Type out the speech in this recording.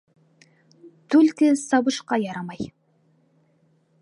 Түлке сабышҡа ярамай.